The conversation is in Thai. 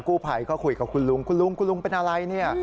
กู้ภัยก็คุยกับคุณลุงคุณลุงคุณลุงเป็นอะไรเนี่ย